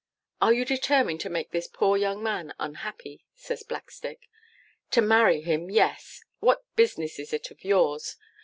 'Are you determined to make this poor young man unhappy?' says Blackstick. 'To marry him, yes! What business is it of yours?